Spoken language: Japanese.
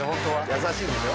優しいでしょ。